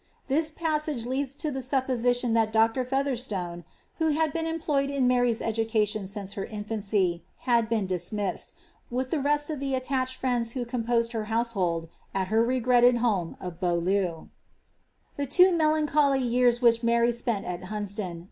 This passage leads lo the supposition that Dr. Fetherslone (who had been employed in Mary''s education since her iu fancy) had been dismisieil, with the rest of the attached friends who composed her household, at her regretted home of Beaulieu. The two melancholy years which Mary spent at Hunsdon.